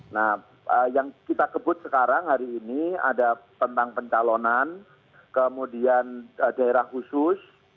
nah yang kita kebut sekarang hari ini ada tentang pencalonan kemudian daerah khusus